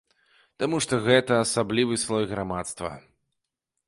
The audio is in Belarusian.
Таму што гэта асаблівы слой грамадства.